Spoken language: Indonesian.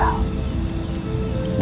dan nggak tahu siapa dia